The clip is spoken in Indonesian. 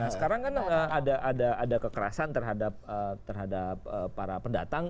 sekarang kan ada kekerasan terhadap para pendatang